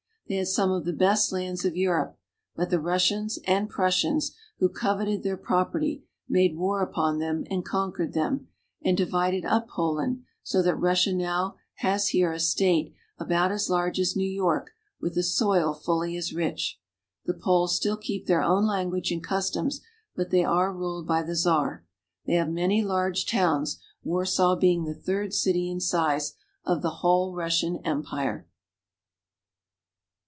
They had some of the best lands of Europe, but the Russians and Prussians, who coveted their property, made war upon them and conquered them, and divided up Poland, so that Russia now has here a state about as large as New York with a soil fully as rich. The Poles still keep their own language and customs, but they are ruled by the Czar. They have many large towns, Warsaw being the third city in size of the whole Russian Empire.